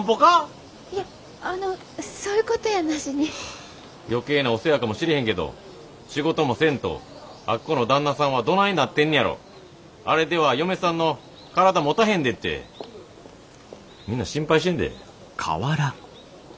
はあ余計なお世話かもしれへんけど仕事もせんとあっこの旦那さんはどないなってんねやろあれでは嫁さんの体もたへんでってみんな心配してんで。